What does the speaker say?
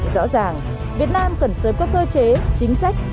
rõ ràng việt nam cần sớm có cơ chế chính sách